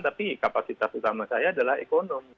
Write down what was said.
tapi kapasitas utama saya adalah ekonomi